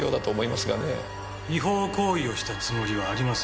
違法行為をしたつもりはありません。